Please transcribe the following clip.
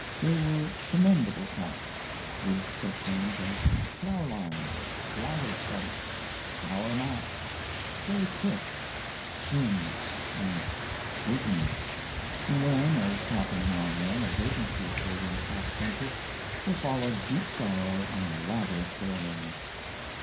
They were commendable cats, with such names as Fraulein, Blatherskite, Sour Mash, Stray Kit, Sin, and Satan, and when, as happened now and then, a vacancy occurred in the cat census there followed deep sorrow and elaborate ceremonies.